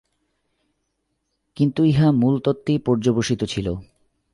কিন্তু ইহা মূলতত্ত্বেই পর্যবসিত ছিল।